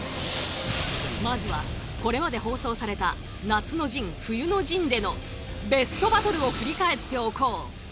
まずはこれまで放送された「夏の陣」「冬の陣」でのベストバトルを振り返っておこう。